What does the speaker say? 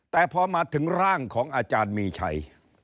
แต่พอมาถึงร่างของอาจารย์มีชัย